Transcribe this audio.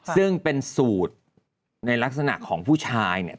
ซึ่งเป็นสูตรในลักษณะของผู้ชายเนี่ย